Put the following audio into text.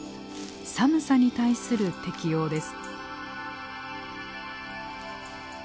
寒さに対する適応です。